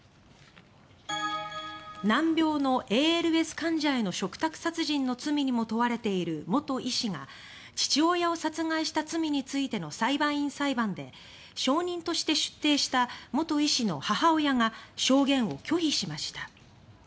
難病のＡＬＳ患者への嘱託殺人の罪にも問われている元医師が父親を殺害した罪についての裁判員裁判で証人として出廷した元医師の母親が証言を拒否しました。